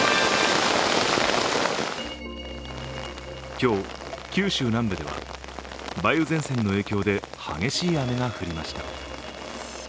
今日、九州南部では梅雨前線の影響で激しい雨が降りました。